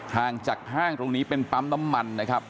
ห่างจากห้างตรงนี้เป็นปั๊มน้ำมันนะครับ